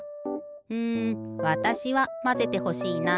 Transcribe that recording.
うんわたしはまぜてほしいな。